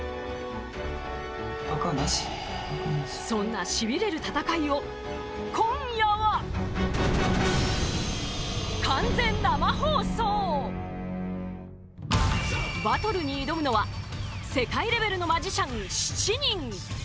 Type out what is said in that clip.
そんなシビれる戦いを今夜はバトルに挑むのは世界レベルのマジシャン７人。